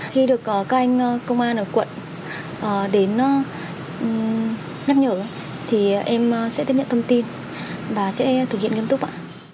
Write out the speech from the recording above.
khi được các anh công an ở quận đến nhắc nhở thì em sẽ tiếp nhận thông tin và sẽ thực hiện nghiêm túc ạ